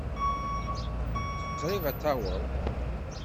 Qṛib ad taweḍ.